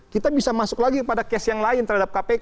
kita bisa masuk lagi pada cash yang lain terhadap kpk